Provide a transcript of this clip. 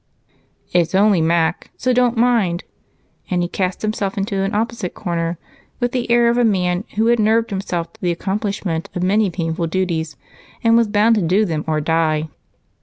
"It's 'only Mac,' so don't mind," and he cast himself into an opposite corner with the air of a man who had nerved himself to the accomplishment of many painful duties and was bound to do them or die.